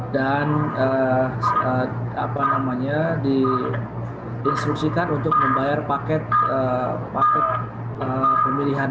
dan apa namanya diinstruksikan untuk membayar paket pemilihan